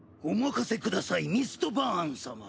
お任せくださいミストバーン様。